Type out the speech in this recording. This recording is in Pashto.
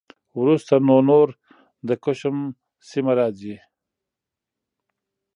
وروسته نو نور د کشم سیمه راخي